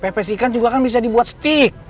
pps ikan juga kan bisa dibuat stick